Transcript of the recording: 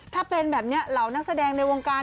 ถ้าเป็นแบบนี้เหล่านักแสดงในวงการ